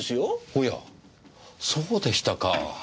おやそうでしたか。